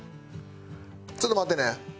ちょっと待ってね。